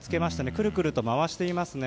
くるくると回していますね。